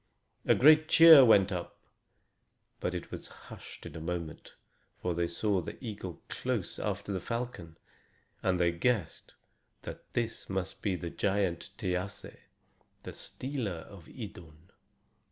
A great cheer went up, but it was hushed in a moment, for they saw the eagle close after the falcon; and they guessed that this must be the giant Thiasse, the stealer of Idun.